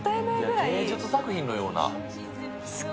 火芸術作品のような。